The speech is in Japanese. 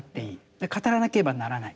語らなければならないむしろ。